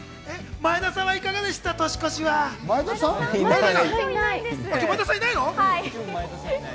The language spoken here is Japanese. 前田さんはいかがでした？